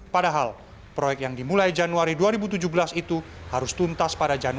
padahal proyek yang dimulai januari dua ribu tujuh belas itu harus tuntas pada januari